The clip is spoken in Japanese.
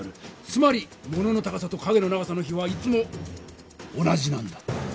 つまり物の高さと影の長さの比はいつも同じなんだ。